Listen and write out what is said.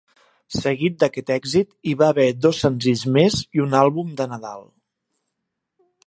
Seguit d'aquest èxit, hi va haver dos senzills més i un àlbum de Nadal.